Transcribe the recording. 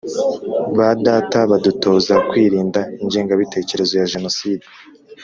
ba data badutoza kwirinda ingengabitekerezo ya jenoside.